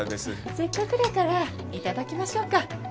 せっかくだからいただきましょうか